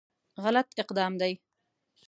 غلط اقدام دی.